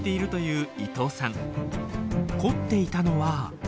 凝っていたのは。